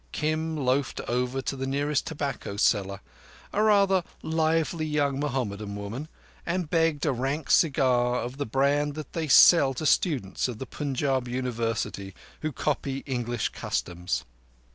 Kim loafed over to the nearest tobacco seller, a rather lively young Mohammedan woman, and begged a rank cigar of the brand that they sell to students of the Punjab University who copy English customs.